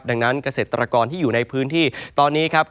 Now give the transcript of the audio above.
ดังนั้นเกษตรกรที่อยู่ในพื้นที่ตอนนี้ครับ